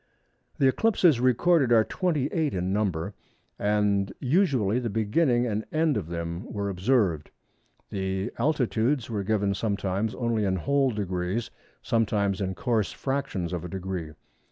The eclipses recorded are 28 in number and usually the beginning and end of them were observed. The altitudes are given sometimes only in whole degrees, sometimes in coarse fractions of a degree.